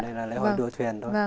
đây là lễ hội đua thuyền thôi